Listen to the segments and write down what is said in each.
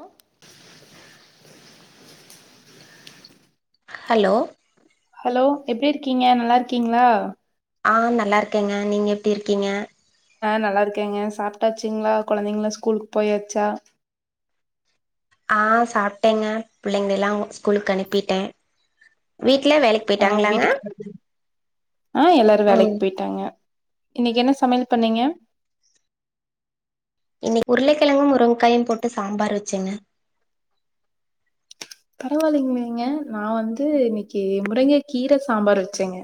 ஓ hello hello எப்டி இருக்கீங்க நல்லா இருக்கீங்களா ஆ நல்லா இருக்கேங்க நீங்க எப்டி இருக்கீங்க ஆ நல்லா இருக்கேங்க சாப்பிட்டாச்சுங்களா கொழந்தைங்களா ஸ்கூலுக்கு போயாச்சா ஆ சாப்டேங்க புள்ளைங்ளெள்ளா ஸ்கூலுக்கு அனுப்பிட்டே வீட்ல வேலைக்கு அ போயிட்டாங்களாங்க வீட்டுகாரரு ஆ எல்லாரு ம் வேலைக்கு போயிட்டாங்க இன்னிக்கு என்ன சமையல் பண்ணிங்க இன்னிக்கு உருளைக்கிழங்கு முருங்காயு போட்டு சாம்பார் வெச்சங்க பரவாயில்லைங்களேங்க நா வந்து இன்னைக்கு முருங்க கீர சாம்பார் வெச்சேங்க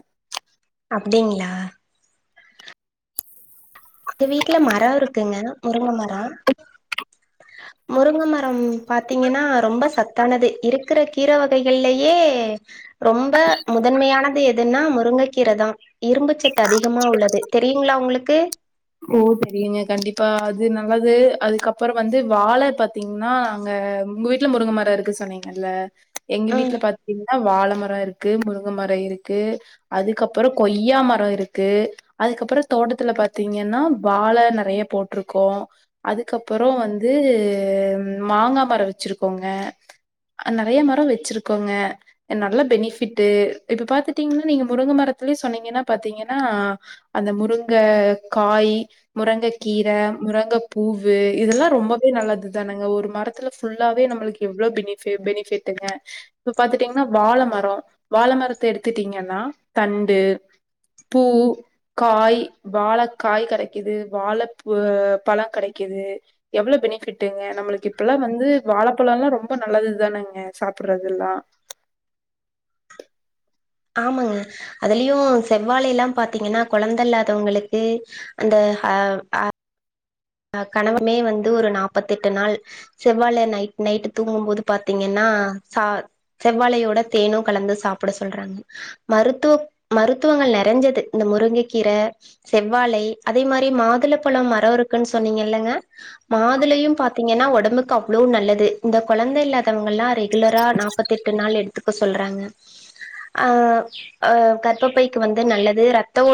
அப்படிங்களா இந்த வீட்டுல மரோ இருக்குங்க முருங்க மரோ ஆஹ முருங்க மரம் பாத்தீங்கன்னா ரொம்ப சத்தானது இருக்குற கீர வகைகள்லேயே ரொம்ப முதன்மையானது எதுன்னா முருங்கைக்கீரதா இரும்புச்சத்து அதிகமா உள்ளது தெரியுங்களா உங்களுக்கு ஓ தெரியுங்க கண்டிப்பா அது நல்லது அதுகப்றோ வந்து வாழை பத் பாதீங்கன்னா அங்க உங்க வீட்டுல முருங்கமரோ இருக்கு சொன்னீங்கல எங்க ம் வீட்டுல பாத் ன்னா வாழ மர இருக்கு முருங்க மர இருக்கு அதுக்கப்றோ கொய்யா மரோ இருக்கு அதுக்கப்றோ தோட்டத்துல பாத்தீ ங்கனா வாழ நெறயா போட்ருக்கோ அதுக்கப்றோ வந்து மாங்கா மரோ வேச்சிருக்கோங்க நெறையா மரோ வெச்சிருக்கோங்க நல்லா பெனிஃபிட்டு இப்ப பாத்துடீங்கனா நீங்க முருங்க மரத்துலயே சொன்னீங்கனா பாத்தீங்கனா அந்த முருங்க காய் முருங்ககீர முருங்கபூவு இதெல்லா ரொம்பவே நல்லதுதானங்க ஒரு மரத்துல ஃபுல்லாவே நம்ளுக்கு எவ்ளோ பெனிஃபி பெனிஃபிட்டுங்க இப்போ பாத்துட்டீங்னா வாழ மரோ வாழ மரத்த எடுத்துட்டீங்கனா தண்டு பூ, காய் வாழக் காய் கெடைக்குது வாழைப்பு பழங் கெடைக்குது எவ்ளோ பெனிஃபிட்டுங்க நம்மளுக்கு இப்பல்லா வந்து வாழப்பழொல்லா ரொம்ப நல்லதுதானங்க சாப்பறதெல்லா ஆமாங்க அதுலயு செவ்வாழையெல்லா பாத்தீங்கனா கொழந்த இல்லாதவங்களுக்கு அந்த ஹ அ அ கணவருமே வந்து ஒரு நாப்பத்தெட்டு நாள் செவ்வாழை நைட் நைட்டு் தூங்கும்போது பாத்தீங்கன்னா ச செவ்வாழையோட தேனு கலந்து சாப்ட சொல்றாங்க மருத்துவ மருத்துவங்கள் நெறஞ்சது இந்த முருங்க கீர செவ்வாழை அதே மாரி மாதுளப்பழம் மரோ இருக்குன்னு சொன்னீங்க இல்லங்க மாதுளயும் பாத்தீங்கன்னா ஒடம்புக்கு அவ்ளோ நல்லது இந்த கொழந்த இல்லாதவங்கல்லா ரெகுலரா நா முப்பத்தெட்டு நாள் எடுத்துக்க சொல்றாங்க அ அ கர்பப்பைக்கு வந்து நல்லது ரத்த ஓ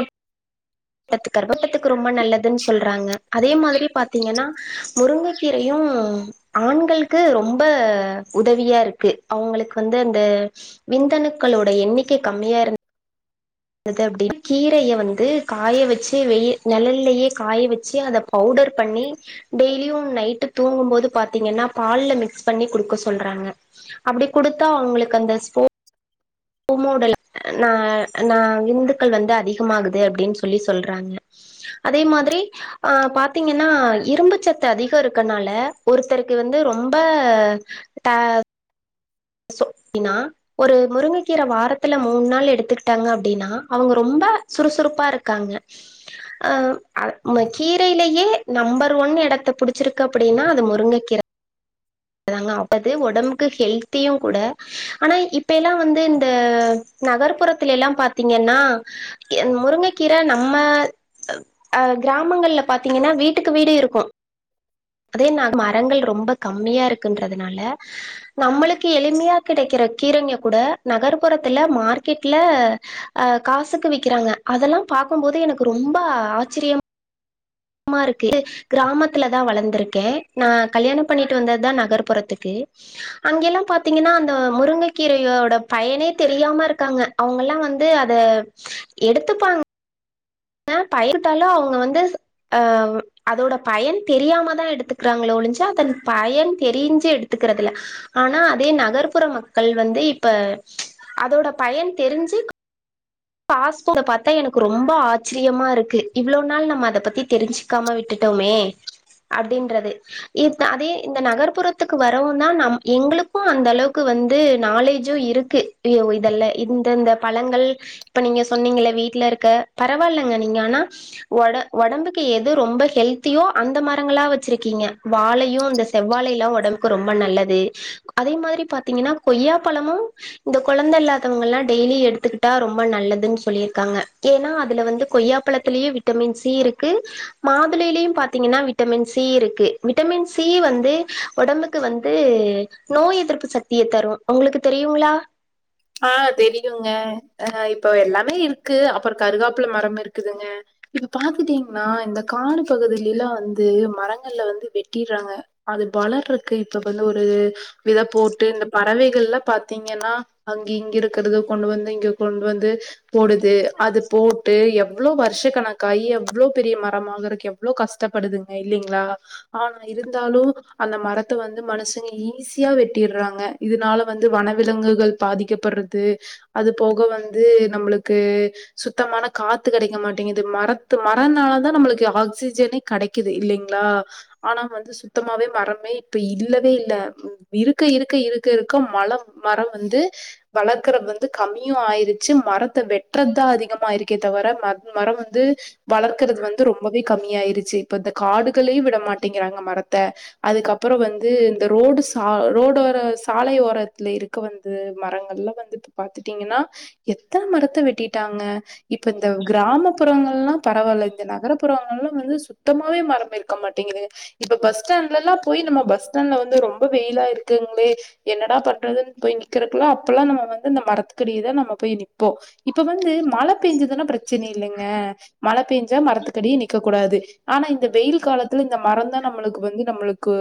ட்டத்து கருபபத்துக்கு ரொம்ப நல்லதுன்னு சொல்றாங்க அதே மாரி பாத்தீங்கன்னா முருங்கக்கீரையு ஆண்களுக்கு ரொம்ப உதவியா இருக்கு அவுங்களுக்கு வந்து அந்த ம்ச் விந்தனுக்களுடோ எண்ணிக்கை கம்மியாரு ந்தது அப்டி கீரய வந்து காய வெச்சு வெய் நெழல்லயே காய வெச்சு அத பவுடர் பண்ணி டெய்லியும் நைட்டு தூங்கும்போது பாத்தீங்கன்னா பால்ல மிக்ஸ் பண்ணி குடுக்க சொல்றாங்க அப்டி குடுத்தா அவங்களுக்கு அந்த ஸ்போ மோடல் ந நா விந்துக்கள் வந்து அதிகமாகுது அப்டின்னு சொல்லி சொல்றாங்க அதே மாரி ஆ பாத்தீங்கன்னா இரும்பு சத்து அதிகோ இருக்கனால ஒருத்தருக்கு வந்து ரொம்ப ட சொப் பினா ஒரு முருங்கக்கீர வாரத்துல மூண் நாள் எடுத்துக்கிட்டாங்க அப்டினா அவுங்க ரொம்ப சுறுசுறுப்பா இருக்காங்க அ கீரைலயே நம்பர் ஒன் எடத்த புடிச்சிருக்கு அப்டினா அது முருங்ககீர அதாங்க ஆவது ஒடம்புக்கு ஹெல்த்தியுங் கூட ஆனா இப்பயல்லா வந்து இந்த நகர்ப்புறத்துல எல்லா பாத்தீங்கன்னா முருங்கக்கீர நம்ம அ கிராமங்கள்ல பாத்தீங்கன்னா வீட்டுக்கு வீடு இருக்கு அதே நா மரங்கள் ரொம்ப கம்மியா இருக்குன்றதுனால நம்மளுக்கு எளிமையா கெடைக்கற கீரைங்க கூட நகர்ப்புறத்துல மார்க்கெட்ல அ காசுக்கு விக்கிறாங்க அதெல்லா பாக்கும்போது எனக்கு ரொம்ப ஆச்சரிய மா இருக்கு கிராமத்துலதா வளந்திருக்கேன் நா கல்யாணம் பண்ணிட்டு வந்ததுதான் நா கர்ப்புறத்துக்கு அங்க எல்லாம் பாத்தீங்கன்னா அந்த முருங்கைக்கீரையோட பயனே தெரியாம இருக்காங்க அவுங்கல்லா வந்து அத எடுத்துப்பாங் ஆ பயித்தால அவுங்க வந்து ஆ அதோட பயன் தெரியாம தா எடுத்துக்றாங்களோ ஒழிஞ்சி அதன் பயன் தெரிஞ்சு எடு எடுத்துக்கறது இல்ல ஆனா அதே நகர்ப்புற மக்கள் வந்து இப்ப அதோட பயன் தெரிஞ்சு பாஸ்போக பாத்தா எனக்கு ரொம்ப ஆச்ரியமா இருக்கு இவ்ளோ நாள் நம்ம அத பத்தி தெரிஞ்சு காம விட்டுட்டோமே அப்டின்றது இந் அதே இந்த நகர்புறத்துக்கு வரவு தான் நம் எங்களுக்கு அந்த அளவுக்கு வந்து நாலேஜும் இருக் இக் அயோ இதல்ல இந்த இந்த பழங்கள் இப்ப நீங்க சொன்னீங்கல வீட்ல இருக்க பரவால்லங்க நீங்க ஆனா ஒட ஒடம்புக்கு எது ரொம்ப ஹெல்த்தியோ அந்த மரங்களா வச்சிருக்கீங்க வாழையு அந்த செவ்வாழை எல்லாம் உடம்புக்கு ரொம்ப நல்லது அதே மாறி பாத்தீங்கன்னா கொய்யா பழமும் இந்த கொழந்த இல்லாதவங்கல்லா டெய்லி எடுத்துக்கிட்டா ரொம்ப ம்பா நல்லதுன்னு சொல்லியிருக்காங்க ஏன்னா அதுல வந்து கொய்யாபழதுலயே விட்டமின் சி இருக்கு மாதுளையிலும் பாத்தீங்கன்னா விட்டமின் சி இருக்கு விட்டமின் சி வந்து உடம்புக்கு வந்து நோய் எதிர்ப்பு சக்தியை தரும் உங்களுக்கு தெரியுங்களா ஆ தெரியுங்க அ இப்போ எல்லாமே இருக்கு அப்றோ கருகாப்புல மரம் இருக்குதுங்க இப்ப பாத்துட்டீங்கன்னா இந்த காடு பகுதியில லா வந்து மரங்கள்ல வந்து வெட்டிறாங்க அது வளர்ருக்கு இப்ப வந்து ஒரு வித போட்டு இந்த பறவைகள்ளா பாத்தீங்கன்னா அங்க இங்க இருக்குறது கொண்டு வந்து இங்க கொண்டு வந்து போடுது அது போட்டு எவ்ளோ வர்ஷக்கணக்காயி எவ்ளோ பெரிய மரமாகருக்கு எவ் அவ்ளோ கஷ்டப்படுது இல்லலைங்களா ஆனா இருந்தாலும் அந்த மரத்த வந்து மனுஷங்க ஈஸியா வெட்டிறாங்க இதனால வந்து வனவிலங்குகள் பாதிக்கபட்றது அது போக வந்து நம்பளுக்கு சுத்தமான காத்து கெடைக்க மாட்டேங்குது மரத்து மரனால தா நம்பளுக்கு ஆக்சிஜனே கெடைக் க்குது இல்லைங்களா ஆனா வந்து சுத்தமாவே மரமே இப்ப இல்லவே இல்ல இருக்க இருக்க இருக்க இருக்க மழம் மரம் வந்து வளக்கறது வந்து கம்மியு ஆயிருச்சு மரத்த வெட்டுறது தா அதிகமாயிருக்கே தவிர ம மரம் வந்து வளர்க்கறது வந்து ரொம்பவே கம்மியாயிருச்சு இப்ப இந்த காடுகளையும் விட மாட்டேங்கிறாங்க மரத்த அதுக்கப்புற வந்து இந்த ரோடு சா ரோடோர சாலை ஓரத்துல இருக்க வந்து மரங்கள்ல வந்துட்ட பாத்துட்டீங்கன்னா எத்தன மரத்த வெட்டிட்டாங்க இப்ப இந்த கிராமப்புறங்கள் யெல்லா பரவாயில்ல இந்த நகர்புறங்களெல்லா வந்து சுத் த்தமாவே மரம் இருக்க மாட்டிங்குதுங்க இப்ப பஸ் ஸ்டாண்ட்லல்லா போய் நம்ம பஸ் ஸ்டாண்ட்ல வந்து ரொம்ப வெயிலா இருக்குங்ளே என்னடா பண்றதுன் போய் நி குல்லா அப்பல்லா நம்ம வந்து இந்த மரத்துக்கடியேதா நம்ம போய் நிப்போ இப்ப வந்து மழ பெஞ்சதுன்னா ப்ரச் நில்லுங்க மழ பெயஞ்சா மரத்துக்கடியே நிக்க கூடாது ஆனா இந்த வெயில் காலத்துல இந்த மரம்தா நம்மளுக்கு வந்து நம்மளுக்கு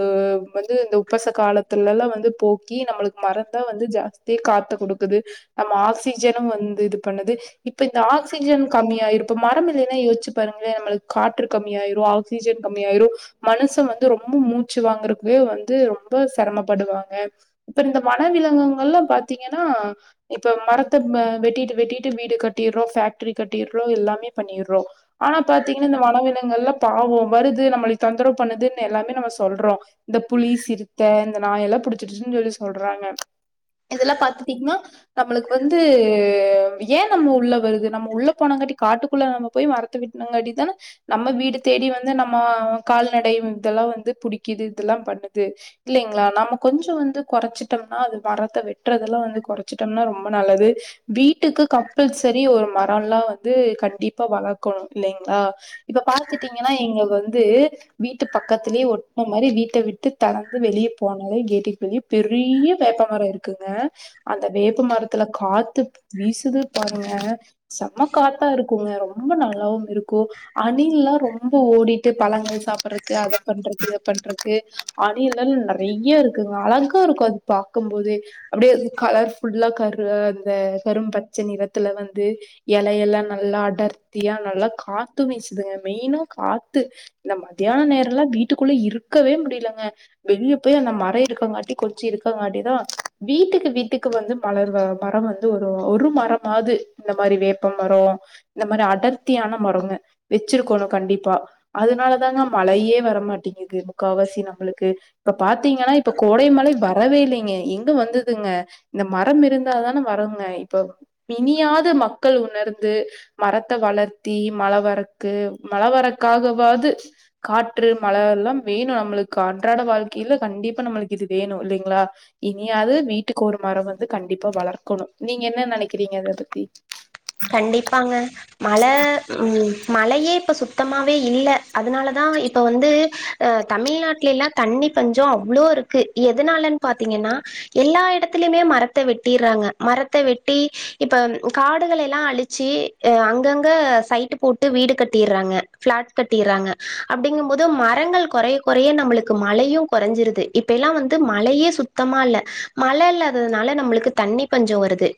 வந்து இந்த உப்பச கால ல்லாம் வந்து போக்கி நம்மளுக்கு மரம்தான் வந்து ஜாஸ்தி காத்த கொடுக்குது நம்ம ஆக்சிஜனு வந்து இது பண்ணுது இப்ப இந்த ஆக்சிஜன் கம்மி ஆயிருப்பு மர இல்லைன்னா யோசிச்சு பாருங்களே நம்மளுக்கு காற்று கம்மியயிரு ஆக் சீஜென் கம்மியாயிரும் மனுச வந்து ரொம்ப மூச்சுவாங்கறதுக்கு வந்து ரொம்ப செரமப்படுவாங்க இப்ப இந்த வன விலங்குங்கல்லா பாத்தீங்கெனா இப்ப மரத்த வ வெட்டிட்டு வெட்டிட்டு வீடு கட்டிர்றோ ஃபேக்ட்ரி கட்டிர்றோ எல்லாமே பண்ணிர்றோ ஆனா பாத்தீங்கென்னா இந்த வனவிலங்கு எல்லா பாவோ வருது நம்மளை தொந்தரவு பண்ணுதுன்னு எல்லாமே நம்ம சொல்றோ இந்த புளி சிறுத்த இந்த நாய் எல்லா புடிச்சிருச்சுன் சொல்லி சொல்றாங்க இதுல்லா பாத்துடிங்கனா நம்மளுக்கு வந்து ஏ நம்ம உள்ள வருது நம்ம உள்ள போனாங்காட்டி காட்டுக்குள்ள நம்ம போய் மறத்த வெட் டுன காட்டி தான நம்ம வீடு தேடி வந்து நம்ம கால்நடை இதெல்லா வந்து புடிக்கிது இதெல்லா பண்ணுது இல்லேங்ளா நம்ம கொஞ்ச வந்து கொறச்சுட்டம்னா அது மரத்த வெட் ட்றதெல்லா வந்து கொறச்சுட்டம்னா ரொம்ப நல்லது வீட்டுக்கு கம்பல்சரி ஒரு மரலோல்லா வந்து கண்டிப்பா வளர்க்கணு இல்லைங்ளா இப்ப பாத்துட்டீங்கன்னா இங்க வந்து வீட்டு பக்கத்துலயே ஒட்டுன மாரி வீட்ட விட்டு தெறந்து வெளிய போனலே கேட்டுக்கு வெளியப் பெரிய வேப்பமரோ இருக் குங்க அந்த வேப்ப மரத்துல காத்து வீசுது பாருங்க செம்ம காத்தா இருக்குங்க ரொம்ப நல்லாவும் இருக்கு அணில்லா ரொம்ப ஓடிட்டு பழங்கள் சாப்புறக்கு அத பண்றது இத பண்றதுக்கு ஆணில்லெல்லா நெறையா இருக்குங்க அழகா இருக்கு அத பாக்கும்போது அப்டியே கலர் ஃபுல்லா கரு அந்த கரும் பச்ச நிறத்துல வந்து இலையெல்லா நல்லா அடர்த்தியா நல்லா காத்து விசுதுங்க மெயினா காத்து இந்த மத்தியான நேரல்லா வீட்டுக்குள்ள இருக்கவே முடியலங்க வெளியே போய் அந்த மரோ இருக்கங்காட்டி கொச்சி இருக்கங்காட்டிதா வீட்டுக்கு வீட்டுக்கு வந்து மலர் வ மரம் வந்து ஒரு ஒரு மரம் மாது இந்த மாரி வேப்ப மரோ இந்த மாரி அடர்த்தியான மரோங்க வச்சிருக்கணு கண்டிப்பா அதுனால தாங்க மழையே வரமாட்டேங்கிது முக்காவாசி நம்மளுக்கு இப்ப பாத்தீங்கன்னா இப்ப கோடைமலை வரவே இல்லேங்க எங் ந்து வந்ததுங்க இந்த மரம் இருந்தா தான வருங்க இப்பப் இனியாது மக்கள் உணர்ந்து மரத்த வளர்த்தி மழ வரக்கு மழவரக்காகவாது காற்று மழ எல்லாம் வேணு நம்மளுக்கு அன்றாட வாழ்கையில கண்டிப்பா நம்மளுக்கு இது வேணு இல்லைங்களா இனியாது வீட்டுக்கு ஒரு மரோ வந்து கண்டிப்பா வளர்க்கணு நீங்க என்ன நெனைக்கிறீங்க அத பத்தி கண்டிப்பாங்க மழ ம் மழையே இப்ப சுத்தமாவே இல்ல அதுனாலதா இப்ப வந்து தமிழ்நாட்லே எல்லா தண்ணி பஞ்சோ அவ்ளோ இருக்கு எதுனாலன் பாத்தீங்கென்னா எல்லா இடத்திலயுமே மரத்த வெட்டிர்றாங்க மரத்த வெட்டி இப்ப காட் டுகலெல்லா அழிச்சி எ அங்கங்க சைட்டு போட்டு வீடு கட்டிர்றாங்க ஃப்ளாட் கட்டீர்றாங்க அப்டிங்கும்போது மரங்கள் கொறைய கொறைய நம்மளுக்கு மலையு கொறஞ்சிருது இப் இப்பெல்லா வந்து மழையே சுத்தமா இல்ல மழ இல்லாததுனால நம்மளுக்கு தண்ணி பஞ்சோ வருது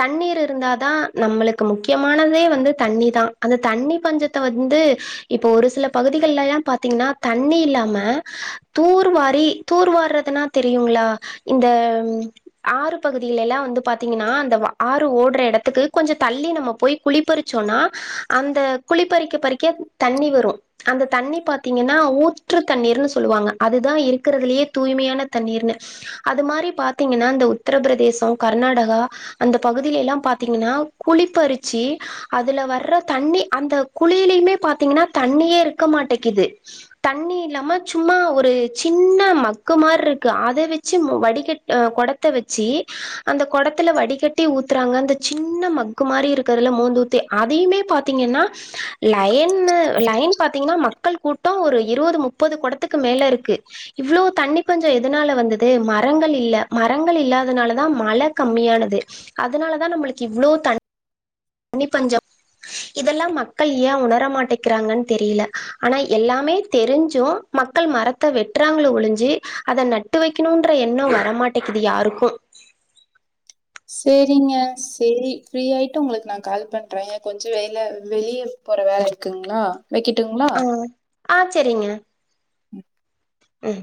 தண்ணீர் இருந்தாதா நம்மளுக்கு முக்கியமானதே வந்து தண்ணி தா அந்த தண்ணி பஞ்சத்த வந்து இப்போ ஒரு சில பகுதிகளெல்லா பாத்தீங்கன்னா தண்ணி இல்லாம தூர்வாரி தூர் வார்றதுன்னா தெரியுங்ளா இந்த ஆறு பகுதிலெல்லா வந்து பாத்தீங்கன்னா அந்த வா ஆறு ஓட்ற எடத்துக்கு கொஞ்சோ தள்ளி நம்ம போய் குழிப்பறுச்சோன்னா அந்த குழிப் பறிக்க பறிக்க தண்ணி வரு அந்த தண்ணி பாத்தீங்கன்னா ஊற்று தண்ணீர்னு சொல்லுவாங்க அதுதா இருக்குறதுலயே தூய்மையான தண்ணீர்னு அது மாரி பாத்தீங்கனா இந்த உத்திரபிரதேச கர்நாடகா அந்த பகுதில எல்லா பாத்தீங்கனா குழிப்பறிச்சி அதுல வர்ற தண்ணி அந்த குழிலயுமே பாத்தீங்கனா தண்ணியே இருக்க மாட்டேக்குது தண்ணியில்லாம சும்மா ஒரு சின்ன மக்கு மாரி இருக்கு அத வெச்சு வடிகட் அ கொடத்த வச்சி அந்த கொடத்துல வடிகட்டி ஊத்துறாங்க அந்த சின்ன மக் க்கு மாரி இருக்கறல்ல மோந்தூத்தி அதையுமே பாத்தீங்கன்னா லயன்னு லயன் பாத்தீங்கன்னா மக்கள் கூட்ட ஒரு இருபது முப்பது குடத்துக்கு மேல இருக்கு இவ்ளோ தண்ணி பஞ்ச எதுனால வந்தது மரங்கள் இல்ல மரங்கள் இல்லாதனாலதா மழ கம்மியானது அதனால தா நம்மளுக்கு இவ்ளோ தண் னிப்பஞ்சம் இதெல்லா மக்கள் ஏ உணர மாட்டேக்குறாங்கன் தெரில ஆனா எல்லாமே தெரிஞ்சு மக்கள் மரத்த வெட்டுறாங்களோ ஒளிஞ்சு அத நட்டு வக்கணுன்ற எண்ணோ வரமாட்டேக்கிது யாருக்கு செரிங்க செரி ஃப்ரீயாய்ட்டு உங்களுக்கு நான் கால் பண்றே கொஞ்சோ வேல வெளிய போற வேல இருக்குங்ளா வெக்கட்டுங்ளா ஆ ஆ சரிங்க ம் ம்